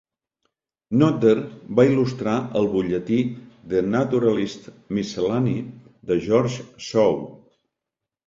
Nodder va il·lustrar el butlletí "The Naturalist's Miscellany" de George Shaw.